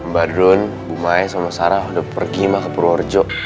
badrun bu maes sama sarah udah pergi mak ke purworejo